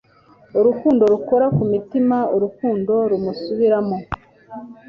Urukundo rukora ku mutima Urukundo rumusubiramo